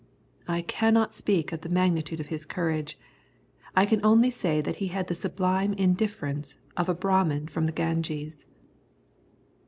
I cannot speak of the magnitude of his courage. I can only say that he had the sublime indifference of a Brahmin from the Ganges.